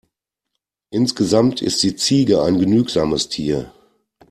Insgesamt ist die Ziege ein genügsames Tier.